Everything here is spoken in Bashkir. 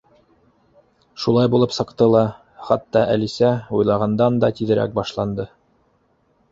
Шулай булып сыҡты ла —хатта Әлисә уйлағандан да тиҙерәк башланды.